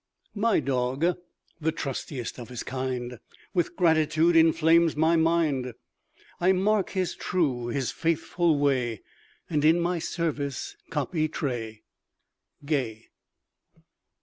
"My dog (the trustiest of his kind) With gratitude inflames my mind: I mark his true, his faithful way, And in my service copy Tray." GAY.